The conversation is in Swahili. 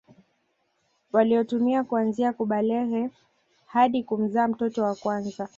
Waliotumia kuanzia kubalehe hadi kumzaa mtoto wa kwanza